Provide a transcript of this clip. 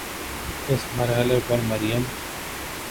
اس مرحلے پر مریم